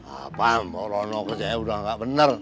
apaan mbok rono kerjanya udah gak bener